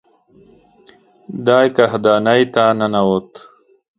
دی کاهدانې ته ننوت.